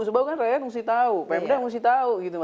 sebab kan rakyat mesti tahu pemda mesti tahu gitu